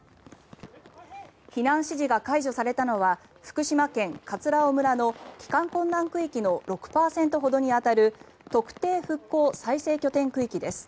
避難指示が解除されたのは福島県葛尾村の帰還困難区域の６％ほどに当たる特定復興再生拠点区域です。